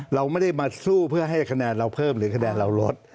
เราไม่ได้มาสู้เพื่อให้คะแนนเราเพิ่มหรือคะแนนเราลด